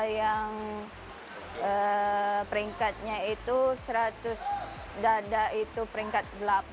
yang peringkatnya itu seratus dada itu peringkat delapan